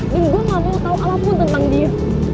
dan gue gak mau tau apapun tentang dia